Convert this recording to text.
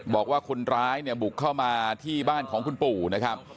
บอกว่าคนร้ายเนี่ยบุกเข้ามาที่บ้านของคุณปู่นะครับ